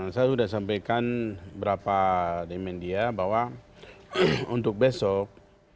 saya sudah sampaikan beberapa demand dia bahwa untuk besok